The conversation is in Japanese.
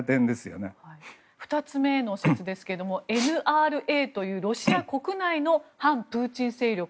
２つ目の説ですがＮＲＡというロシア国内の反プーチン勢力。